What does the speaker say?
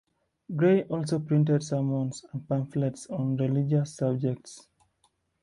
Grey also printed sermons and pamphlets on religious subjects.